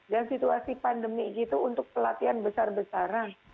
dan situasi pandemi gitu untuk pelatihan besar besaran